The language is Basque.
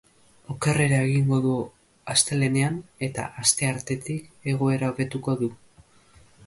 Okerrera egingo du astelehenean eta asteartetik egoera hobetuko du.